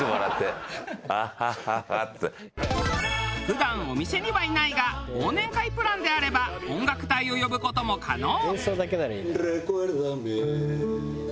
普段お店にはいないが忘年会プランであれば音楽隊を呼ぶ事も可能。